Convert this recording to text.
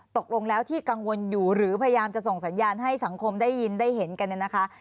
ตกลงแล้วที่กังวลอยู่หรือพยายามจะส่งสัญญาณให้สังคมได้ยินได้เห็นกันเนี่ยนะคะ